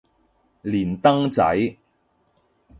連登仔